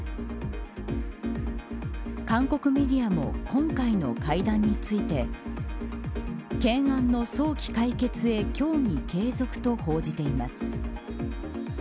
韓国メディアも今回の会談について懸案の早期解決へ協議継続と報じています。